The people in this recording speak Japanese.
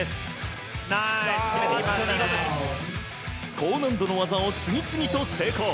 高難度の技を次々と成功。